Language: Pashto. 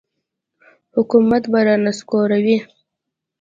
حکومت به را نسکوروي.